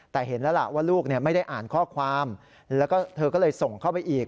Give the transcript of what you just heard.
แต่เห็นแล้วล่ะว่าลูกไม่ได้อ่านข้อความแล้วก็เธอก็เลยส่งเข้าไปอีก